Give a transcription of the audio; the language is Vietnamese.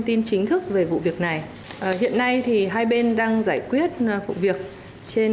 tin chính thức về vụ việc này hiện nay thì hai bên đang giải quyết vụ việc trên